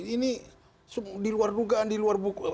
ini diluar dugaan diluar buku